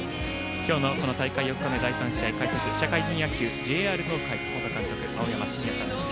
今日の大会４日目第３試合解説は社会人野球ＪＲ東海元監督青山眞也さんでした。